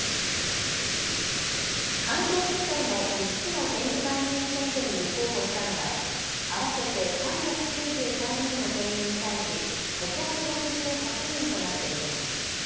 関東地方の５つの県議会議員選挙に立候補したのは合わせて３９３人の定員に対し５６８人となっています。